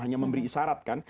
hanya memberi isyarat kan